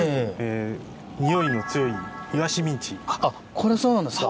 これそうなんですか。